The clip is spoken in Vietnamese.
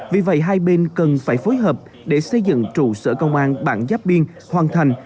vì vậy hai bên cần phải phối hợp để xây dựng trụ sở công an bản giáp biên hoàn thành